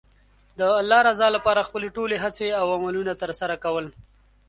د الله رضا لپاره خپلې ټولې هڅې او عملونه ترسره کول.